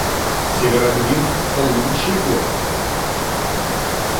Северодвинск — лучший город